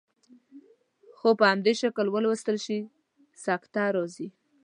خو په همدې شکل ولوستل شي سکته راځي.